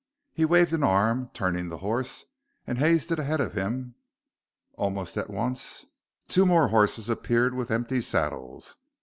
He waved an arm, turning the horse, and hazed it ahead of him. Almost at once, two more horses appeared with empty saddles.